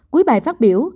cuối bài phát biểu